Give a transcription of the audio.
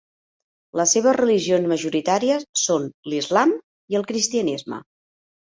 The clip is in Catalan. Les seves religions majoritàries són l'islam i el cristianisme.